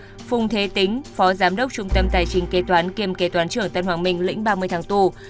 trần phung thế tính phó giám đốc trung tâm tài chính kế toán kiêm kế toán trưởng tân hoàng minh lĩnh ba mươi tháng tù